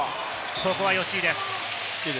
ここは吉井です。